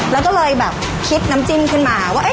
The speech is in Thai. แล้วก็เลยแบบคิดน้ำจิ้มขึ้นมาว่า